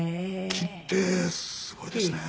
木ってすごいですね。